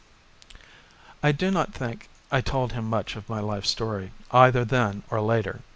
I do not think I told him much of my life story either then or later.